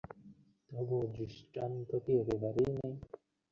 তবু, দৃষ্টান্ত কি একেবারেই নেই?